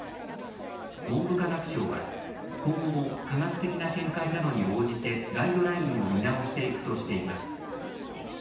文部科学省は、今後も科学的な見解などに応じてガイドラインを見直していくとしています。